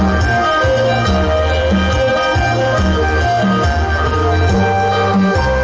แม่งแม่งตลอด